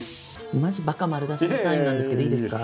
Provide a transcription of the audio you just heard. マジばか丸出しのサインなんですけどいいですか？